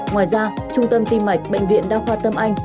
ngoài ra trung tâm tim mạch bệnh viện đa khoa tâm anh